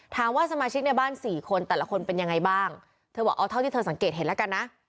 ถามว่าสมาชิกในบ้านสี่คนแต่ละคนเป็นยังไงบ้างเธอบอกเอาเท่าที่เธอสังเกตเห็นแล้วกันนะ